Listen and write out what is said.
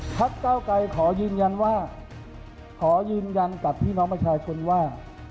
เก้าไกรขอยืนยันว่าขอยืนยันกับพี่น้องประชาชนว่า